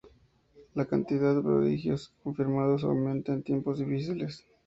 La cantidad de prodigios confirmados aumentaba en tiempos difíciles.